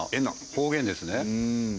方言ですね。